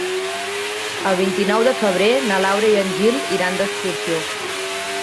El vint-i-nou de febrer na Laura i en Gil iran d'excursió.